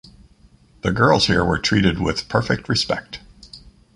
The girls here were treated with perfect respect.